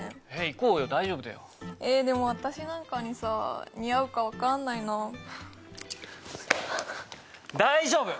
行こうよ大丈夫だよえでも私なんかにさ似合うか分かんないな大丈夫！